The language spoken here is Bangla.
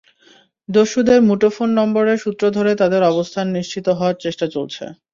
দস্যুদের মুঠোফোন নম্বরের সূত্র ধরে তাদের অবস্থান নিশ্চিত হওয়ার চেষ্টা চলছে।